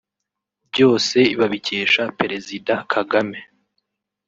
byose babikesha Perezida Kagame